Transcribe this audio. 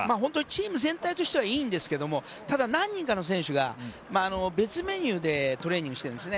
チーム全体としてはいいんですけどもただ、何人かの選手が別メニューでトレーニングしているんです。